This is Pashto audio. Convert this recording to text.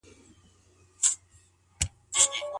د دوکتورا برنامه سمدستي نه لغوه کیږي.